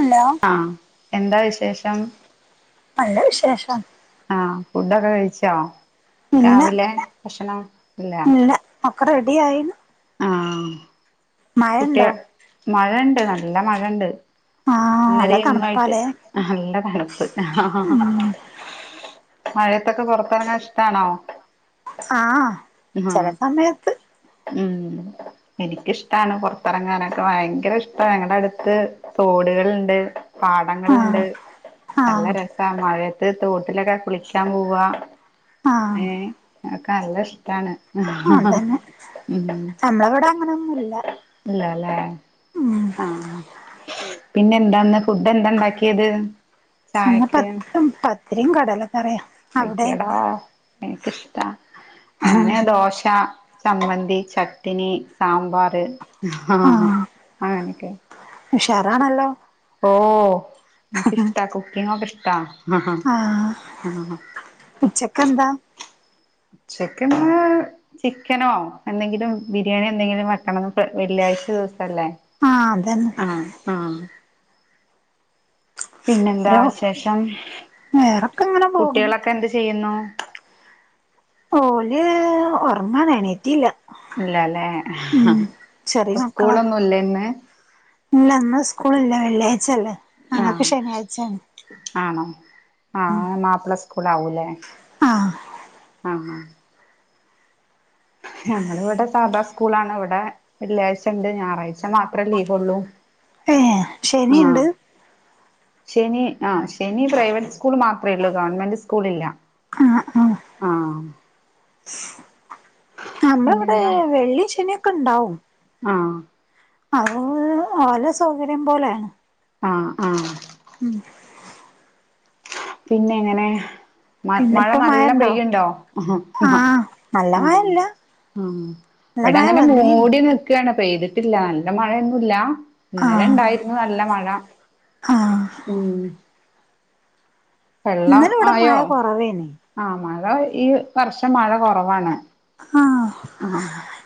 Hello അഹ് എന്താ വിശേഷം നല്ല വിശേഷം ആഹ് ഫുഡൊക്കെ കഴിച്ചോ രാവിലെ ഭക്ഷണം ഇല്ലെ ല്ല ഒക്കെ റെഡി ആയിന ആഹ് ഉണ്ടോ കുട്ടികൾ മഴണ്ട് നല്ല മഴണ്ട് ആ ഇന്നലി നല്ല ഇന്നയിട്ട് തണുപ്പാലേ നല്ല തണുപ്പ് ഉം മഴയത്തൊക്കെ പുറത്തിറങ്ങാൻ ഇഷ്ടാണോ ആഹ് ആഹ് ചില സമയത്ത് ഉം എനിക്കിഷ്ടമാണ് പുറത്തിറങ്ങാനൊക്കെ ഭയങ്കര ഇഷ്ട ഞങ്ങടെ അടുത്ത് തോട് കളുണ്ട് ആ പാടങ്ങളുണ്ട് ആ നല്ല രസ- മഴയത്ത് തോട്ടിലൊക്കെ കുളിക്കാൻ പോവാ ആ ഏ അക്കെ നല്ല ഇഷ്ടണ് അഹ ഹാ അതന്നെ ഉം നമ്മളവിടെ അങ്ങനൊന്നുല്ല എന്താ ലെ ഉം ആഹ് പിന്നെ എന്താന്ന് ഫുഡ് എന്താ ണ്ടാക്കിയത് ചുമ്മപത്തും പത്തിരിയും കടലക്കറിയ അയ്യടാ എനിക്കിഷ്ടാ ഞാനെ ദോശ ചമ്മന്തി ചട്ടനി സാമ്പാർ ഹാ ആ അങ്ങനെയൊക്കെ ഉഷാറാണല്ലോ ഓ എനക്ക്ഷ്ടാ കുക്കിംഗ് ഒക്കെ ഇഷ്ടാ അഹ ആഹ ഹ ഉച്ചെക്കൻന്താ ഉച്ചക്കിന്ന് ചിക്കനോ എന്തെങ്കിലും ബിരിയാണി എന്തെങ്കിലും വെക്കണം വെള്ളിയാഴ്ച ദിവസല്ലേ ആഹ് അതന്നെ അഹ് ആഹ് പിന്നെന്താ ഒരു വിശേഷം വേറൊക്കെ ഇങ്ങനെ പോകുന്നു കുട്ടികളൊക്കെ എന്ത് ചെയ്യുന്നു ഓല് ഓർങ്ങാണ്എണീറ്റില്ല ഇല്ലല്ലെ ചെറിയ അപ്പ മക്കളാ സ്കൂളൊന്നൂല്ലേ ഇന്ന് ഇല്ല ഇന്ന് സ്കൂൾ ഇല്ല വെള്ളിയാഴ്ച അല്ലേ ആഹ് ആണോ ആഹ് മാപ്പിള സ്കൂള ആവൂല്ലേ ആഹ് ആഹ് ആഹ് ഞമ്മൾ ഇവിടെ സാദാ സ്കൂള ആണ് ഇവിടെ വെള്ളിയാഴ്ച ഉണ്ട് ഞായറാഴ്ച മാത്രേ ലീവൊള്ളൂ ഏ ആഹ് ശനിയുണ്ട് ശനി ആഹ് ശനി പ്രൈവറ്റ് സ്കൂൾ മാത്രമേ ഉള്ളൂ ഗവൺമെന്റ് സ്കൂൾ ഇല്ല ആ ഹ്ആഹ് ആഹ് നമ്മളിവിടെ പിന്നെന്താ വെള്ളി ശനിയൊക്കെണ്ടാവും ആഹ് അത് ഓല സൗകര്യം പോലെ ആഹ് ആഹ് ഉം പിന്നെങ്ങനെ മ പിന്നെ മഴ ഇപ്പൊ നല്ല ഉണ്ടോ പെയ്യുണ്ടോ ആഹ് ആഹ് നല്ല ആഹ് മഴല്ല നല്ല മഴ ഇവിടങ്ങനെ വന്നീനി മൂടി നി ക്കാണ് പെയ്തിട്ടില്ല നല്ല മഴയൊന്നുല്ല ഇന്നലെ ആഹ് ഉണ്ടായിരുന്നു നല്ല മഴ ആഹ് ഉം വെള്ളം ഇന്നലെ ഇവിടെ ആയോ മയ കുറവേനെ ആഹ് മഴ ഈ വർഷം മഴ കുറവാണ് ആഹ് ആഹ്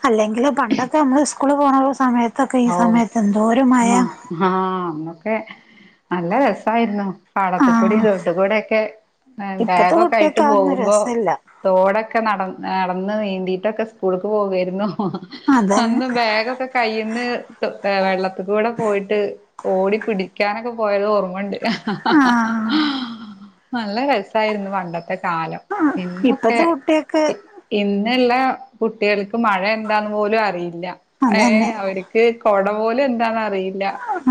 അല്ലെങ്കില് പണ്ടൊക്കെ നമ്മള് സ്കൂളി പോണുള്ള സമയത്തൊക്കെ ഈ സമയത്ത് എന്തോരു മഴ ആഹ് അന്നൊക്കെ നല്ല രസായിരുന്നു പാടത്തുകൂടി ആഹ് തോട്ടുക്കൂടെയൊക്കെ ഇപ്പത്തെ ബാഗൊക്കെ ആയിട്ട് കുട്ടികക്ക് അതൊന്നും പോകുമ്പോ രസല്ല തോടൊക്കെ നടന്ന് നടന്ന് നീന്തിട്ടൊക്കെ സ്കൂള്ക്ക് പോകുവായിരുന്നു അതന്നെ അന്ന് ബാഗൊക്കെ കയ്യ് ന്ന് വെള്ളത്തിക്കൂടെ പോയിട്ട് ഓടി പിടിക്കാനൊക്കെ പോയത് ഓർമ്മണ്ട് ആഹ് നല്ല രസായിരുന്നു പണ്ട ത്തെ കാലം ഇന്നൊക്കെ ഇപ്പത്തെ കുട്ടിയക്ക് ഇന്നുള്ള കുട്ടികൾക്ക് മഴ എന്താന്ന് പോലും അറിയില്ല അതന്നെ ഏഹ് അവര് ക്ക് കൊട പോലും എന്താന്ന് അറിയില്ല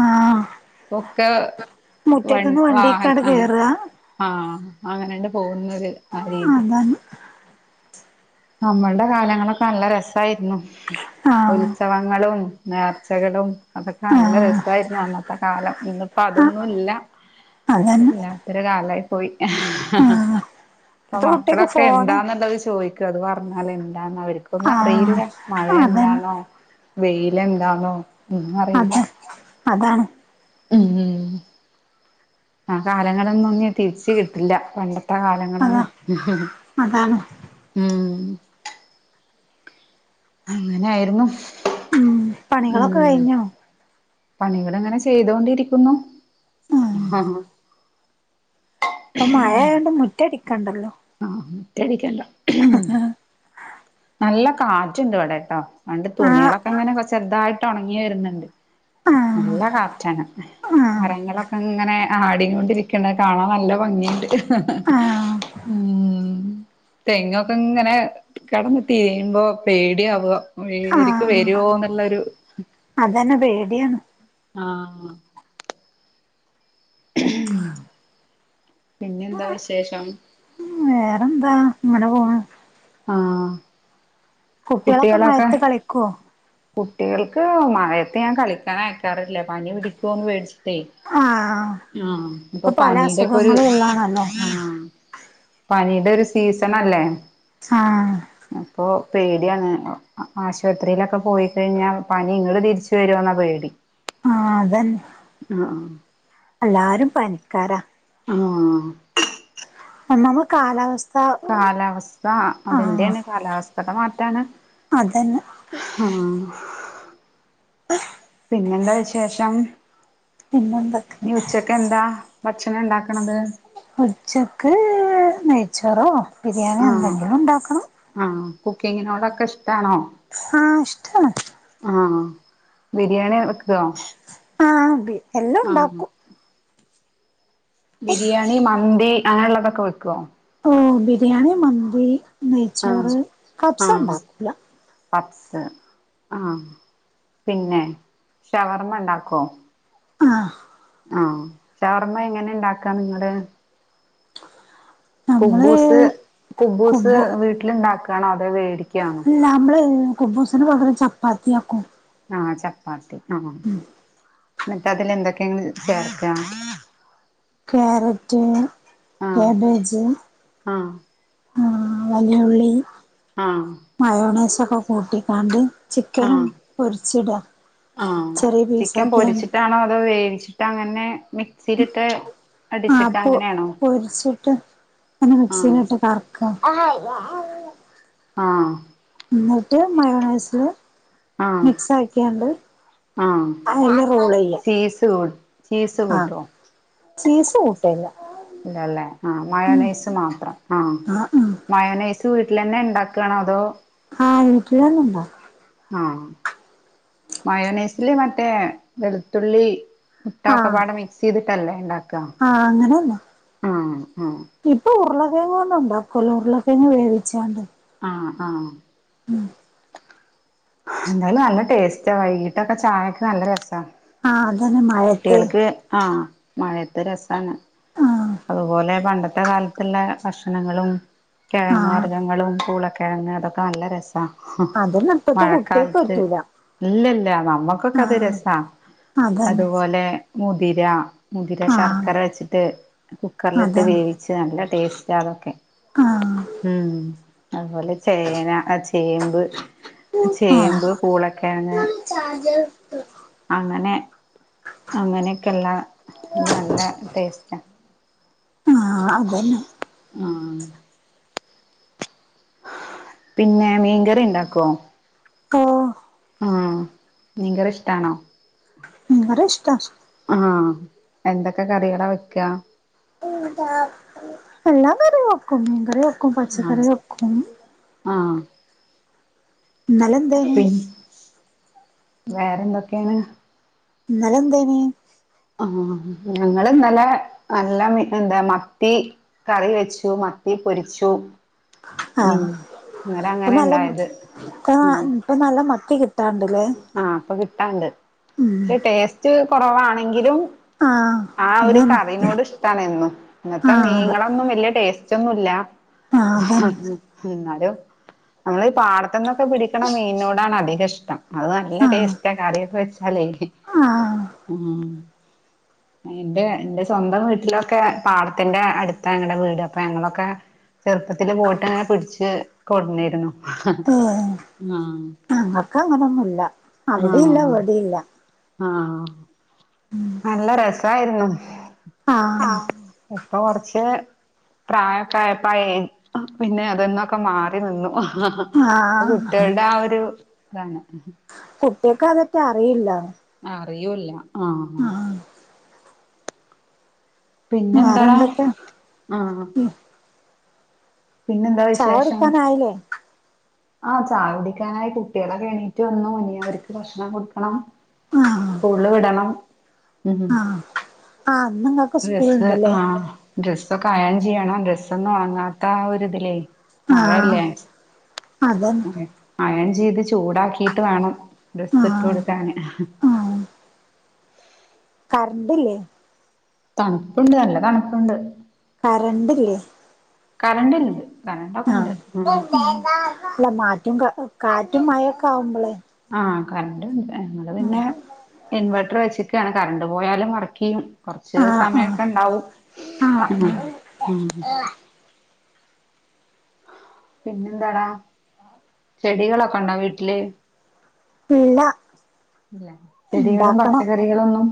ആഹ് ഇപ്പൊക്കെ വ മുറ്റത്ത്ന്ന് വണ്ടിക്കാട് വാഹനം കേറാ ആഹ് ആഹ് അങ്ങനെണ്ട് പോകുന്നത് ആ രീതി അതന്നെ നമ്മൾടെ കാലങ്ങളൊക്കെ നല്ല രസായിരുന്നു ആഹ് ഉത്സവങ്ങളും നേർച്ചകളും അതൊക്കെ നല്ല ആഹ് രസായിരുന്നു അന്നത്തെ കാലം ഇന്നിപ്പോ ആഹ് അതൊന്നും ഇല്ല അതന്നെ വല്ലാത്തൊരു കാലായി പോയി ആഹ് ഇപ്പൊ ഇപ്പത്തെ കുട്ടിയക്ക് മക്കളൊക്കെ ഫോണ് എന്താന്നുള്ളത് ചോദിക്കും അത് പറഞ്ഞാല് എന്താന്നവരിക്ക് ഇപ്പൊന്നും ആഹ് അറിയില്ല മഴ അതന്നെ എന്താന്നോ വെയിൽ എന്താന്നോ ഒന്നും അറിയില്ല അതെ അതാണ് ഉം ഉം ആ കാലങ്ങളൊന്നും ഇനി തിരിച്ച് കിട്ടില്ല പണ്ട ട്ട അതാ കാലങ്ങളൊന്നും അതാണ് ഉം അങ്ങനെ ആയിരുന്നു ഉം പണികളൊക്കെ കഴിഞ്ഞോ പണികൾ ഇങ്ങനെ ചെയ്തോണ്ടിരിക്കുന്നു ആഹ് പ്പം മഴയായോണ്ട് മുറ്റടിക്കണ്ടല്ലോ ആഹ് മുറ്റടിക്കണ്ട [unintelligible] നല്ല കാറ്റുണ്ട് ഇവിടെ ട്ടോ അണ്ട് ആഹ് തുണികളൊക്കെ അങ്ങനെ ചെറുതായിട്ട് ഒണങ്ങി വരുന്നുണ്ട് ആഹ് നല്ല കാറ്റാണ് ആഹ് മരങ്ങളൊ അങ്ങനെ ആടി കൊണ്ടിരിക്കണ കാണാൻ നല്ല ഭംഗിയുണ്ട് ഉം തെങ്ങൊക്കെ ഇങ്ങനെ കെടന്ന് തിരിയുമ്പോ പേടി ആവുവാ [unintelligible] ആഹ് വരുവോ എന്നുള്ളൊരു അതന്നെ പേടിയാണ് ആഹ് പിന്നെന്താ വിശേഷം ന്താ ഇങ്ങനെ പോണ് ആഹ് കുട്ടികളൊക്കെ മഴത്ത് കളിക്കുവോ കുട്ടികൾക്ക് മഴയത്ത് ഞാൻ കളിക്കാൻ അയക്കാറില്ല പനി പിടിക്കുവോന്ന് പേടിച്ച് ആഹ് ഇപ്പൊ പല പനിയുടെക്കെ ഒരു അസുഖങ്ങളും ഉള്ളാണല്ലൊ പനീടെ ഒരു സീസൺ അല്ലേ ആഹ് അപ്പൊ പേടിയാണ് ആശുപത്രിയിലൊക്കെ പോയിക്കഴിഞ്ഞാൽ പനി ഇങ്ങട്ട് തിരിച്ചു വാരോന്നാ പേടി ആഹ് അതന്ന ആഹ് എല്ലാരും പനിക്കാരാ ആഹ് ഒന്നാമത് കാലാവസ്ഥ കാലാവസ്ഥ ആഹ് അതിന്റെയാണ് കാലാവസ്ഥടെ മാറ്റാണ് അതന്നെ ആഹ് പിന്നെന്താ വിശേഷം പിന്നെന്തൊക്കെ [unintelligible] എന്താ ഭക്ഷണം ഇണ്ടാക്കണത് ഉച്ചക്ക് നെയ്ച്ചോറൊ ബിരിയാണിയോ ആഹ് എന്തെങ്കിലും ഉണ്ടാക്കണം ആഹ് കുക്കിങ്ങിനോടൊക്കെ ഇഷ്ട്ടാണൊ ആഹ് ഇഷ്ട്ടാണ് ആഹ് ബിരിയാണി വെക്കൊ ആഹ് അതെ എല്ലാം ഉണ്ടാക്കും ബിരിയാണി മന്തി അങ്ങനെള്ളതൊക്കെ വെക്കോ ഓഹ് ബിരിയാണി മന്തി നെയ്ച്ചോറ് ആഹ് കബ്സ ഉണ്ടാക്കൂല പപ്പ്സ് ആഹ് പിന്നെ ഷവർമ്മ ഉണ്ടാക്കൊ ആഹ് ആഹ് ഷവർമ്മ എങ്ങനെ ഇണ്ടാക്കാ നിങ്ങള് നമ്മള് കുബ്ബൂസ് കുബൂസ് കുബു വീട്ടിലുണ്ടാക്കാ ണൊ അതെ വേടിക്കാണൊ അല്ല നമ്മള് കുബ്ബൂസിന് പകരം ചപ്പാത്തിയാക്കും ആഹ് ചപ്പാത്തി ആഹ് ന്നിട്ടതില് എന്തൊക്കെയ നിങ്ങള് ചേർക്കാ ക്യാരറ്റ് ആഹ് ക്യാബേജ് ആഹ് ആഹാ വലിയ ഉള്ളി ആഹ് മയോണൈസൊക്കെ കൂട്ടിക്കാണ്ട് ചിക്കനും ആഹ് പൊരിച്ചിടാ ആഹ് ചെറിയ ചിക്കൻ പീസാക്കിയാണ്ട് പൊരിച്ചിട്ടാണൊ അതോ വേവിച്ചിട്ട് ട്ട് അങ്ങനെ മിക്സിയിലിട്ട് ആഹ് അടിച്ചിട്ട് പൊ അങ്ങനെയാണോ പൊരിച്ചിട്ട് മിക്‌സി ആഹ് യിലിട്ട് കറക്ക ആഹ് ന്നിട്ട് മയോണൈസ് ആഹ് മിക്സാക്കിണ്ട് ആഹ് അയില് റോളെയ്യാ ചീസ് ക ചീസ് ആഹ് കൂട്ടോ ചീസ് കൂ - ഇല്ലല്ലേ ആഹ് മയോണൈസ് മാത്രം ആഹ് മയോണൈസ് വീട്ടില്ന്നെ ഇണ്ടാക്കാണോ അതൊ ആഹ് വീട്ടിലെന്നെ ഇണ്ടാക്കും ആഹ് മയോണയിസില് മറ്റേ വെളുത്തുള്ളി മുട്ടക്കെ ആഹ് പാടെ മിക്സ് ചെയ്തിട്ടല്ലേ ഉണ്ടാക്ക ആഹ് അങ്ങനെന്നെ ഇപ്പൊ ഉരുളക്കിഴങ്ങ് കൊണ്ട് ഉണ്ടാക്കൂല്ലോ ഉരുളക്കിഴങ്ങ് വേവിച്ചാണ്ട് ആഹ് ആഹ് ഉം എന്തായാലും നല്ല ടേസ്റ്റ വൈകീട്ടൊക്കെ ചായക്ക് നല്ല രസ ആഹ് അതന്നെ മഴയത്ത് കുട്ടികൾക്ക് ആഹ് മഴയത്തെ രസാണ് ആഹ് അതുപോലെ പണ്ടത്തെ കാലത്തുള്ള ഭക്ഷണങ്ങളും കിഴങ്ങ് ആഹ് വർഗ്ഗങ്ങളും പൂളക്കിഴങ്ങ് അതൊക്കെ നല്ല രസ അതൊന്നും ഇപ്പത്തെ കുട്ടികൾക്ക് പറ്റൂല ഇല്ല ഇല്ല നമ്മുക്കൊക്കെ അത് ആഹ് രസ അതന്നെ അതുപോലെ മുതിര മുതിര ആഹ് ശർക്കര വെച്ചിട്ട് കുക്കറിലിട്ട് അതന്നെ വേവിച്ച് നല്ല ടേസ്റ്റാ അതൊക്കെ ആഹ് ഉം അതുപോലെ ചേന ആ ചേമ്പ് ചേമ്പ് പൂളക്കെഴങ്ങ് ചാർജർ [unintelligible] അങ്ങനെ അങ്ങനൊക്കെള്ള അത് നല്ല ടേസ്റ്റാ ആഹ് അതന്നെ ആഹ് പിന്നെ മീൻകറി ഇണ്ടാക്കോ ഓഹ് ആഹ് മീൻ കറി ഇഷ്ട്ടാണോ മീൻ കറി ഇഷ്ട്ടാ ആഹ് എന്തൊക്കെ കറികളാ വെക്കാ എല്ലാ കറി വെക്കും മീൻ കറി വെക് ആഹ് ആഹ് ഇന്നലെ എന്തേനി പിന് വേറെന്തൊക്കെയാണ് ഇന്നലെ എന്തേനീ ആഹ് ഞങ്ങളിന്നലെ നല്ല എന്താ മത്തി കറി വെച്ചു മത്തി പൊരിച്ചു ഉം ആഹ് ഇപ്പൊ നല്ല ഇന്നലങ്ങനെണ്ടായത് ഇപ്പ ഉം ഇപ്പൊ നല്ല മത്തി കിട്ടാണ്ട്ല്ലേ ആഹ് ഇപ്പൊ കിട്ടാണ്ട് പക്ഷെ ടേസ്റ്റ് കുറവാണെങ്കിലും ആഹ് ആ ഒരു അതന്നെ കറീനോഡിഷ് ട്ടാണെന്നും ഇന്നത്തെ ആഹ് അതെ മീങ്ങളൊന്നും വല്യ ടേസ്റ്റൊന്നുല്ല ആഹ് അതന്നെ എന്നാലും നമ്മളീ പാടത്ത്ന്നൊക്കെ പിടിക്കണ മീനോടാണ് അധികം ഇഷ്ടം അത് നല്ല ആഹ് ടേസ്റ്റാ കറിയൊക്കെ വെച്ചാലേ ആഹ് ഉം എന്റെ എന്റെ സ്വന്തം വീട്ടിലൊക്കെ പാടത്തിന്റെ അടുത്താ ഞങ്ങടെ വീടൊക്കെ ഞങ്ങളൊക്കെ ചെറുപ്പത്തില് പോയിട്ട് അങ്ങനെ പിടിച്ച് കൊണ്ട്ന്നിരുന്നു ഏഹ് ആഹ് ഞങ്ങക്ക് അങ്ങനൊന്നുല്ല അവിടില്ല ആഹ് ഇവിടില്ല ആഹ് ഉം നല്ല രസായിരുന്നു ആഹ് ഇപ്പൊ കൊറച്ച് പ്രായക്കെ ആയപ്പഴെ പിന്നെ അതന്നൊക്കെ മാറി നിന്നു അപ്പ ആഹ് കുട്ടികൾടെ ആ ഒരു ഇതാണ് കുട്ടിയേക്ക് അതറ്റെ അറിയില്ല അറിയൂല്ല ആഹ് പിന്നെ എന്താ വേറെന്തൊക്കെ ആഹ് പിന്നെന്താ ചായ വിശേഷം? കുടിക്കാനായില്ലേ ആഹ് ചായൊടിക്കാനായി കുട്ടികളൊക്കെ എണീറ്റ് വന്നു ഇനിയവർക്ക് ഭക്ഷണം കൊടുക്കണം ആഹ് സ്കൂളില് വിടണം ഉം ആഹ് ആഹ് ഇന്ന്ങ്ങക്ക് ഡ്രസ്സ് സ്കൂള്ണ്ട്ല്ലേ ആഹ് ഡ്രസ്സൊക്കെ അയെൺ ചെയ്യണം ഡ്രസ്സൊന്നും ഒണങ്ങാത്ത ഒരിതിലേ ആഹ് മഴല്ലേ അതന്നെ ഉം അയെൺ ചെയ്ത് ചൂടാക്കിട്ട് വേണം ഡ്രസ്സ് ഇട്ട് ആഹ് കൊടുക്കാന് കറണ്ടില്ലെ? തണുപ്പുണ്ട് നല്ല തണുപ്പുണ്ട് കറണ്ടില്ലേ? കറന്റ്ണ്ട് ആഹ് അല്ല മാറ്റും കാറ്റും മയൊക്കെ ആവുമ്പളെ ആഹ് കറന്റിണ്ട് ഞങ്ങള് പിന്നെ ഇൻവെർട്ടർ വെച്ചി ക്കാണ് കറണ്ട് പോയാലും വർക്കെയ്യും കൊറച്ച് ആഹ് ആഹ് സമയൊക്കെണ്ടാവും ഉം ആഹ് പിന്നെന്താടാ ചെടികളൊക്കെ ഉണ്ടോ വീട്ടില്? ഇല്ല ഇല്ല ചെടികളും ഇണ്ടാക്കണം പച്ചക്കറികളൊന്നും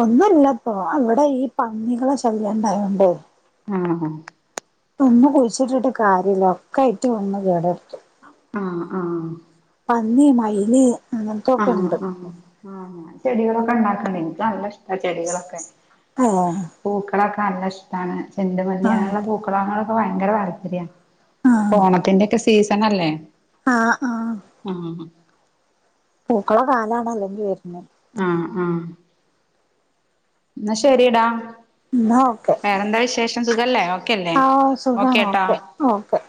ഒന്നുല്ലപ്പോ അവിടെ ഈ പന്നികളെ ശല്ല്യംണ്ടായോണ്ടെ ആഹ് ഇപ്പ ഒന്നും കുഴിച്ചിട്ടിട്ട് കാര്യല്ല ഒക്കെ ആയിറ്റ വന്ന് കേടർത്തു. ആഹ് ആഹ് പന്നി മയില് അങ്ങൻത്തൊക്കെ ആഹ് ഇണ്ട് ആഹ് ആഹ് ചെടികളൊക്കെ ണ്ടാക്കണ്ടെ ഇൻക്ക് നല്ല ഇഷ്ട്ട ചെടികളൊക്കെ. ആഹ് പൂക്കളൊക്കെ നല്ല ഇഷ്ട്ടാണ് ചെണ്ടുമല്ലി ആഹ് അങ്ങനെയുള്ളൊ പൂക്ക [unintelligible] ളങ്ങളൊക്കെ ഭയങ്കര താല്പര്യ ആഹ് ഓണത്തിന്റെ ഒക്കെ സീസൺ അല്ലേ? ആഹ് ആഹ് ഉം പൂക്കള കാലണല്ലൊ ഇഞ്ഞ് വെര്നെ ആഹ് ആഹ് ന്നാ ശരിടാ ഇന്നാ ഓക്കെ വേറെന്താ വിശേഷം സുഖല്ലേ ഓക്കെല്ലേ ആഹ് ഓക്കേ സുഖാണ് ട്ടാ. Okay okay